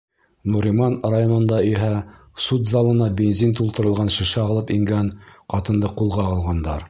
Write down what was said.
Нуриман районында иһә суд залына бензин тултырылған шешә алып ингән ҡатынды ҡулға алғандар.